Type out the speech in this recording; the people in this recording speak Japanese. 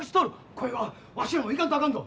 こいはわしらも行かんとあかんど。